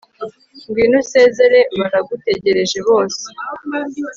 ngwino usezere baragutegereje bose